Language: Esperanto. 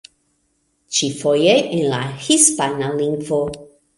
Ĉifoje en la hispana lingvo.